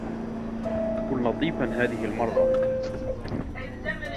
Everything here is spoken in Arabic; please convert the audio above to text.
كن لطيفا هذه المرّة.